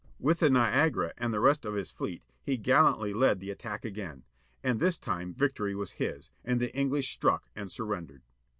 With the Niagara, and the rest of his fleet, he gallantly led the attack again. And this time victory was his, and the EngHsh "struck" and surrendered.